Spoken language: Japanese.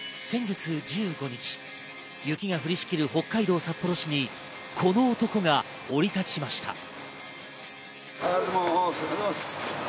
先月１５日、雪が降りしきる北海道札幌市に、この男が降り立ちました。